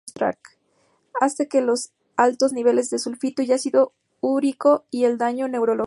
Hace que los altos niveles de sulfito y ácido úrico, y el daño neurológico.